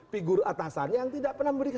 figur atasannya yang tidak pernah memberikan